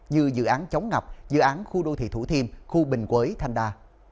như dự án chống ngập dự án khu đô thị thủ thiêm khu bình quế thanh đa